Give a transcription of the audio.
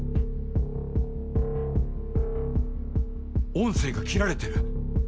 音声が切られてる。